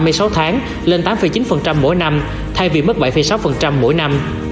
trong hai mươi sáu tháng lên tám chín mỗi năm thay vì mức bảy sáu mỗi năm